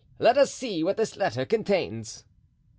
Let us see what this letter contains."